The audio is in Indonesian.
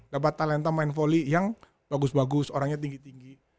dapat talenta main volley yang bagus bagus orangnya tinggi tinggi